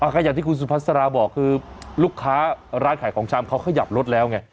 ก็อย่างที่คุณสุภาษาราบอกคือลูกค้าร้านขายของชำเขาขยับรถแล้วไง